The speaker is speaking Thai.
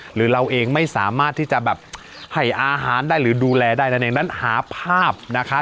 หรือเราเองไม่สามารถที่จะแบบให้อาหารได้หรือดูแลได้นั่นเองนั้นหาภาพนะคะ